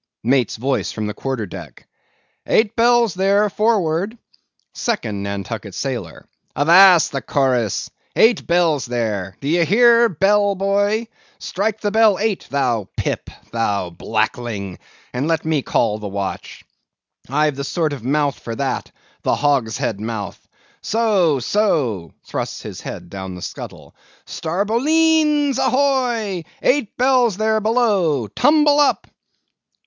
MATE'S VOICE FROM THE QUARTER DECK. Eight bells there, forward! 2ND NANTUCKET SAILOR. Avast the chorus! Eight bells there! d'ye hear, bell boy? Strike the bell eight, thou Pip! thou blackling! and let me call the watch. I've the sort of mouth for that—the hogshead mouth. So, so, (thrusts his head down the scuttle,) Star bo l e e n s, a h o y! Eight bells there below! Tumble up!